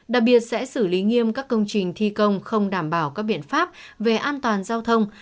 đặc biệt sẽ xử lý nghiêm các công trình thi công không đảm bảo các biện pháp về an toàn giao thông